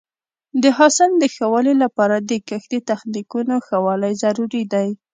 د حاصل د ښه والي لپاره د کښت د تخنیکونو ښه والی ضروري دی.